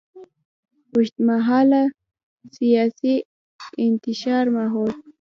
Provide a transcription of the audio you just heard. د اوږدمهاله سیاسي انتشار ماحول.